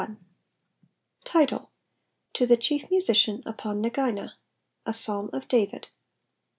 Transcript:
TiTLB.— To the Chief Musician upon Neginah, a Psalm of Datid.